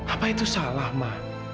apa itu salah ma